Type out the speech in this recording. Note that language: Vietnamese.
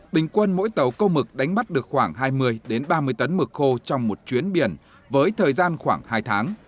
bình quân mỗi tàu câu mực đánh bắt được khoảng hai mươi ba mươi tấn mực khô trong một chuyến biển với thời gian khoảng hai tháng